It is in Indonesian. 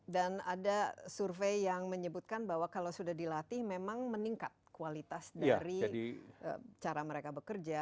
dan ada survei yang menyebutkan bahwa kalau sudah dilatih memang meningkat kualitas dari cara mereka bekerja